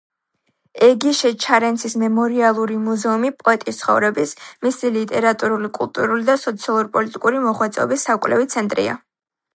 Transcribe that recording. ეგიშე ჩარენცის მემორიალური მუზეუმი პოეტის ცხოვრების, მისი ლიტერატურული, კულტურული და სოციალურ-პოლიტიკური მოღვაწეობის საკვლევი ცენტრია.